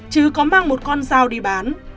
trứ có mang một con dao đi bán